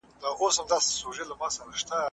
پښې هم د لمر وړانګې غواړي.